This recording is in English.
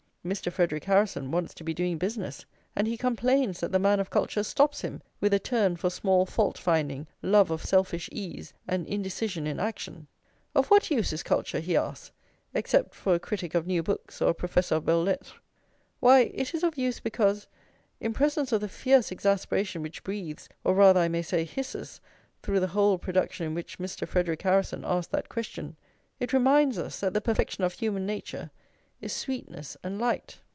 Mr. Frederic Harrison wants to be doing business, and he complains that the man of culture stops him with a "turn for small fault finding, love of selfish ease, and indecision in action." Of what use is culture, he asks, except for "a critic of new books or a professor of belles lettres?" Why, it is of use because, in presence of the fierce exasperation which breathes, or rather, I may say, hisses, through the whole production in which Mr. Frederic Harrison asks that question, it reminds us that the perfection of human nature is sweetness and light.